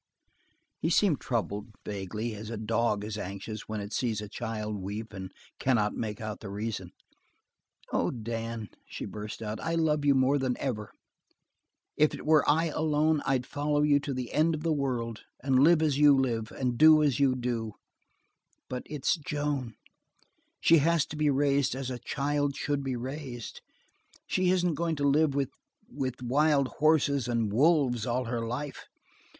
He seemed troubled, vaguely, as a dog is anxious when it sees a child weep and cannot make out the reason. "Oh, Dan," she burst out, "I love you more than ever! If it were I alone, I'd follow you to the end of the world, and live as you live, and do as you do. But it's Joan. She has to be raised as a child should be raised. She isn't going to live with with wild horses and wolves all her life.